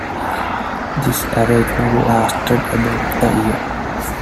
This arrangement lasted about a year.